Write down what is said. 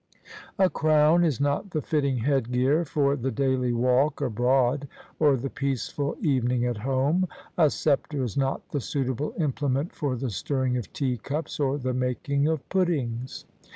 A crown is not the fitting headgear for the daily walk abroad or the peaceful evening at home : a sceptre is not the suitable implement for the stirring of tea cups or the making of puddings.